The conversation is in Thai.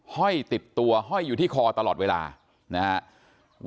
ห้อยติดตัวห้อยอยู่ที่คอตลอดเวลานะครับ